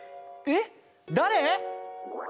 えっだれ？